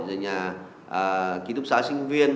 rồi nhà ký túc xã sinh viên